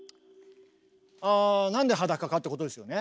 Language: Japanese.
あなんで裸かってことですよね？